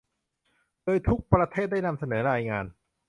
โดยทุกประเทศได้นำเสนอรายงาน